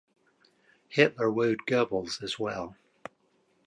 Hitler wooed Goebbels as well.